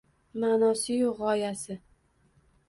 Ma’nosiyu g’oyasi.